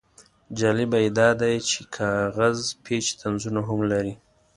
جالبه یې دا دی چې کاغذ پیچ طنزونه هم لري.